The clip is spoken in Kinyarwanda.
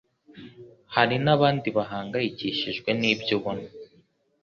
hari n'abandi bahangayikijwe nibyo ubona